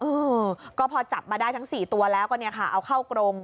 เออก็พอจับมาได้ทั้ง๔ตัวแล้วก็เอาเข้ากรง